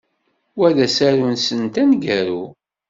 Wa d asaru-nsent aneggaru.